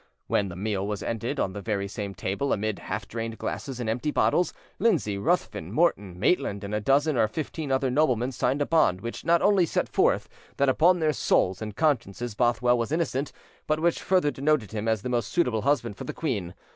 When the meal was ended, on the very same table, amid half drained glasses and empty bottles, Lindsay, Ruthven, Morton, Maitland, and a dozen or fifteen other noblemen signed a bond which not only set forth that upon their souls and consciences Bothwell was innocent, but which further denoted him as the most suitable husband for the queen.